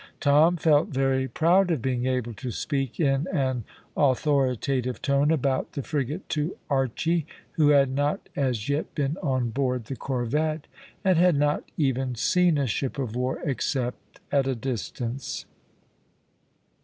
Tom felt very proud of being able to speak in an authoritative tone about the frigate to Archy, who had not as yet been on board the corvette, and had not even seen a ship of war except at a distance.